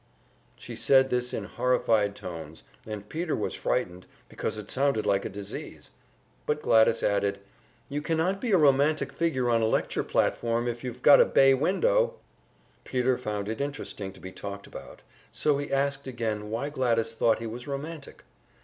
She said this in horrified tones, and Peter was frightened, because it sounded like a disease. But Gladys added: "You can not be a romantic figure on a lecture platform if you've got a bay window!" Peter found it interesting to be talked about, so he asked again why Gladys thought he was romantic.